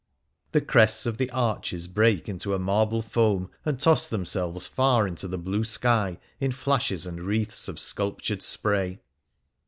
"The crests of the arches break into a marble foam, and toss themselves far into the blue sky in flashes and wreaths of sculptured spray.